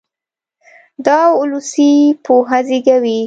دا اولسي پوهه زېږوي.